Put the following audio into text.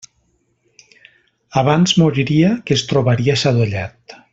Abans moriria que es trobaria sadollat.